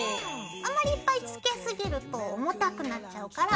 あまりいっぱいつけすぎると重たくなっちゃうから。